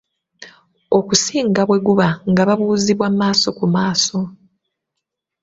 Okusinga bwe guba nga babuuzibwa maaso ku maaso.